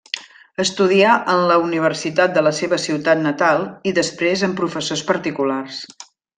Estudià en la Universitat de la seva ciutat natal i després amb professors particulars.